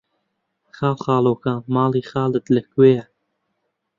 خاڵخاڵۆکە، ماڵی خاڵت لەکوێیە؟!